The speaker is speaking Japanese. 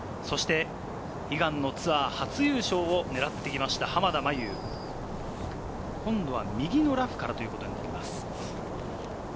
悲願のツアー初優勝を狙っていました、濱田茉優。今度は右のラフからということになります。